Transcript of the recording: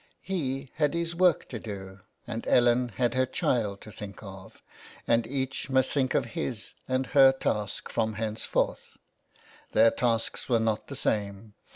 He had his work to do, and Ellen had her child to think of, and each must think of his and her task from henceforth. Their tasks were not the same.